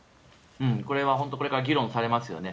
これは本当にこれから議論されますよね。